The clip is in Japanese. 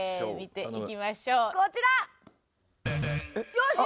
よし！